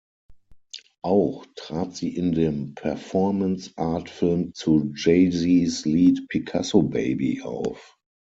Auch trat sie in dem Performance-Art-Film zu Jay Zs Lied "Picasso Baby" auf.